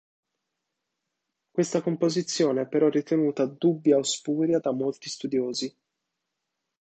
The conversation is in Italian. Questa composizione è però ritenuta "dubbia o spuria" da molti studiosi.